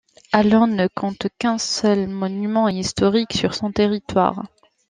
Allonne ne compte qu'un seul monument historique sur son territoire.